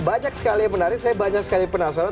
banyak sekali yang menarik saya banyak sekali penasaran